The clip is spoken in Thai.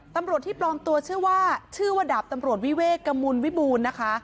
ตำรวจที่ปลอมตัวชื่อว่าชื่อว่าดาบตำรวจวิเวกกระมูลวิบูรณ์นะคะ